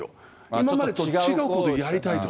今までと違うことをやりたいと。